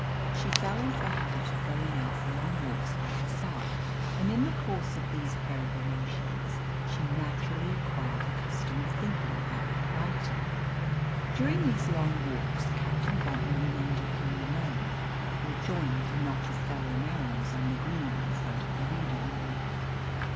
She fell into a habit of going out for long walks by herself, and in the course of these peregrinations she naturally acquired the custom of thinking about her writing. During these long walks Captain Bontnor remained at home alone, or joined a knot of fellow mariners on the green in front of the reading room.